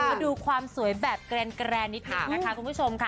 มาดูความสวยแบบแกรนนิดหนึ่งนะคะคุณผู้ชมค่ะ